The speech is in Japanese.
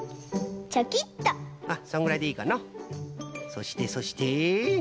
そしてそして？